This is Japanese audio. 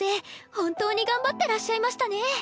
本当に頑張ってらっしゃいましたねえ。